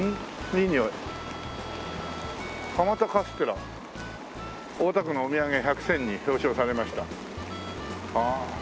「蒲田カステラ」「大田区のお土産１００選に表彰されました」はあ。